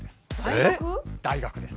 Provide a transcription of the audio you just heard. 大学です。